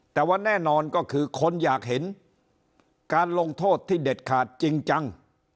แต่ว่าแน่นอนก็คือคนอยากเห็นการลงโทษที่เด็ดขาดจริงจัง